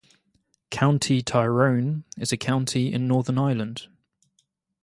County Tyrone is a county in Northern Ireland.